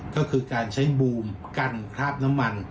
ก็คือการใช้บูมกันคราบน้ำมัน